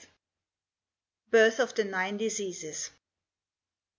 BIRTH OF THE NINE DISEASES.